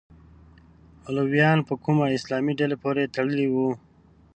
علویانو په کومه اسلامي ډلې پورې تړلي وو؟